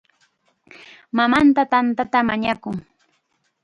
Mamanta tantata mañakun.